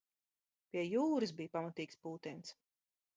Pie jūras bija pamatīgs pūtiens.